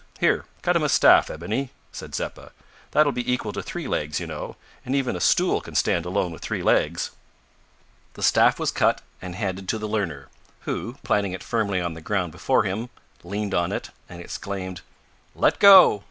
Here, cut him a staff, Ebony," said Zeppa; "that'll be equal to three legs, you know, and even a stool can stand alone with three legs." The staff was cut and handed to the learner, who, planting it firmly on the ground before him, leaned on it, and exclaimed, "Let go!"